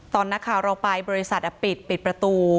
ตอนนักข่าวเราไปบริษัทปิดปิดประตู